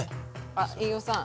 あ飯尾さん。